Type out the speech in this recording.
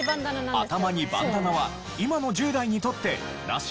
頭にバンダナは今の１０代にとってナシ？